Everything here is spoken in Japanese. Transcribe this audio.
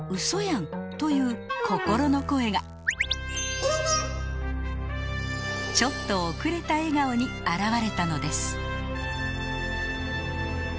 嘘やん！という心の声がちょっと遅れた笑顔に表れたのです。